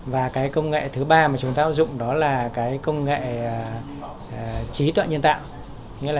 và công nghệ thứ ba mà chúng tôi áp dụng đó là công nghệ trí tạo nhiệm